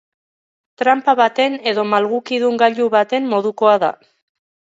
Tranpa baten edo malgukidun gailu baten modukoa da.